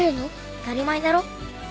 当たり前だろ。